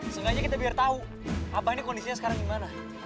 seenggaknya kita biar tau abah ini kondisinya sekarang gimana